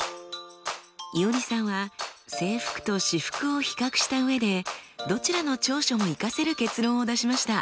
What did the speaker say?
いおりさんは制服と私服を比較した上でどちらの長所も生かせる結論を出しました。